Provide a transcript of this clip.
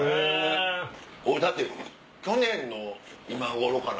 俺だって去年の今頃かな。